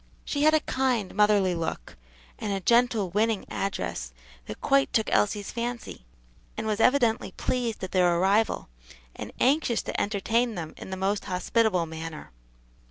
She had a kind, motherly look, and a gentle, winning address that quite took Elsie's fancy; and was evidently pleased at their arrival, and anxious to entertain them in the most hospitable manner.